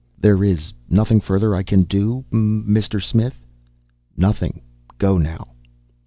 "There is nothing further I can do Mister Smith?" "Nothing. Go now."